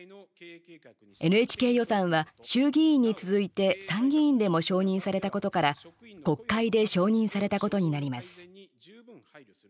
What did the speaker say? ＮＨＫ予算は衆議院に続いて参議院でも承認されたことから国会で承認されたことになります。